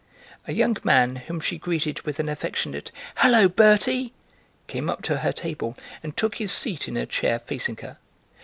A young man, whom she greeted with an affectionate "Hullo, Bertie," came up to her table and took his seat in a chair facing her.